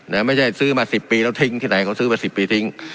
ไม่ใช่ซื้อมาสิบปีแล้วทิ้งที่ไหนเขาซื้อมาสิบปีทิ้ง